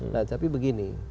nah tapi begini